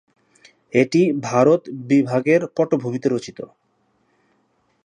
এটি ভারত বিভাগের পটভূমিতে রচিত।